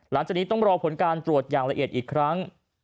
หลังจากนี้ต้องรอผลการตรวจอย่างละเอียดอีกครั้ง